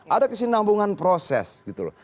ada kesinambungan proses gitu loh